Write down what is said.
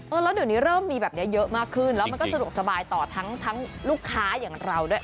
แล้วเดี๋ยวนี้เริ่มมีแบบนี้เยอะมากขึ้นแล้วมันก็สะดวกสบายต่อทั้งลูกค้าอย่างเราด้วย